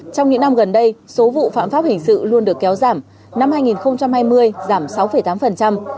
trong những năm gần đây số vụ phạm pháp hình sự luôn được kéo giảm năm hai nghìn hai mươi giảm sáu tám